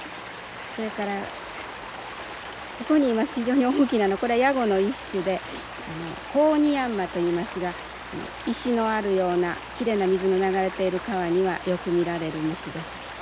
それからここにいます非常に大きなのこれヤゴの一種でコオニヤンマといいますが石のあるようなきれいな水の流れている川にはよく見られる虫です。